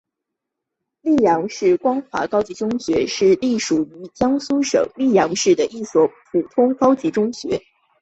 溧阳市光华高级中学是隶属于江苏省溧阳市的一所普通高级中学。